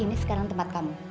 ini sekarang tempat kamu